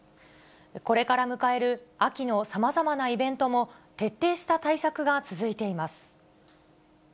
これから迎える秋のさまざまなイベントも、徹底した対策が続いています。